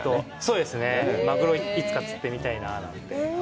マグロ、いつか釣ってみたいななんて。